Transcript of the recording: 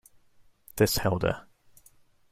This held her.